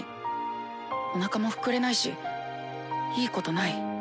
おなかも膨れないしいいことない。